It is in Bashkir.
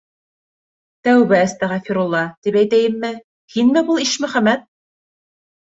- Тәүбә-әстәғәфирулла тип әйтәйемме... һинме был, Ишмөхәмәт?